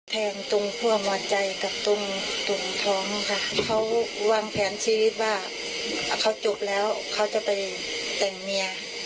แทงตรงคั่วมอใจกับตรงตรงท้องค่ะเขาวางแผนชีวิตว่าเขาจบแล้วเขาจะไปแต่งเมีย